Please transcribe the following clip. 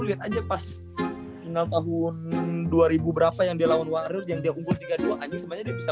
lihat aja pas tinggal tahun dua ribu berapa yang dia lawan wario yang dia umur tiga puluh dua aja semuanya bisa